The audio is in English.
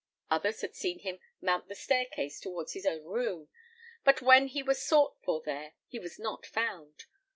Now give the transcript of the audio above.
Others had seen him mount the staircase towards his own room, but when he was sought for there he was not found.